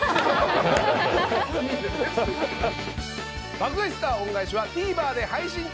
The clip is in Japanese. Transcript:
『爆買い☆スター恩返し』はＴＶｅｒで配信中。